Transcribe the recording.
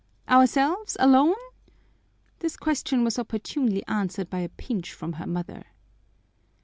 "Ourselves alone?" This question was opportunely answered by a pinch from her mother.